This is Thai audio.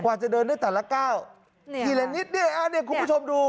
กว่าจะเดินได้แต่ละก้าวนี่แหละนิดนี่อ่ะนี่คุณผู้ชมดู